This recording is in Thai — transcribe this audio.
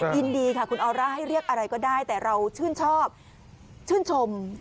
ยินดีค่ะคุณออร่าให้เรียกอะไรก็ได้แต่เราชื่นชอบชื่นชม